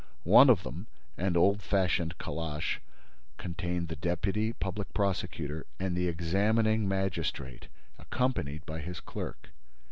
One of them, an old fashioned calash, contained the deputy public prosecutor and the examining magistrate, accompanied by his clerk.